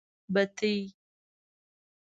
بتۍ.